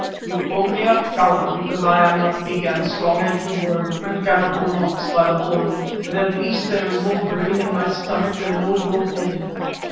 You called me a coward because I am not big and strong as you were, and cannot hold an ox by the horns, but at least there is more brain in my stomach than in all your head.